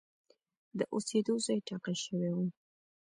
د اوسېدو ځای ټاکل شوی و.